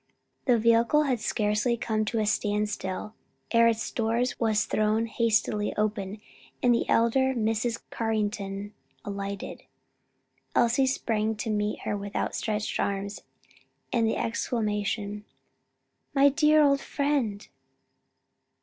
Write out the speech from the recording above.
The vehicle had scarcely come to a standstill ere its door was thrown hastily open and the elder Mrs. Carrington alighted. Elsie sprang to meet her with outstretched arms, and the exclamation, "My dear old friend!"